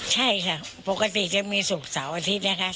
ใช่ค่ะปกติจะมีศุกร์เสาร์อาทิตย์นะคะ